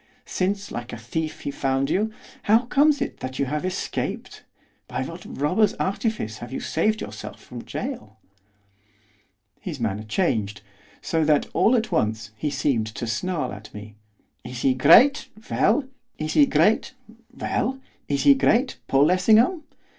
Since, like a thief he found you, how comes it that you have escaped, by what robber's artifice have you saved yourself from gaol?' His manner changed, so that, all at once, he seemed to snarl at me. 'Is he great? well! is he great, Paul Lessingham?